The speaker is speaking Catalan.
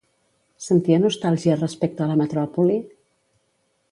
Sentia nostàlgia respecte a la metròpoli?